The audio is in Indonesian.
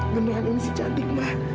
beneran ini si cantik ma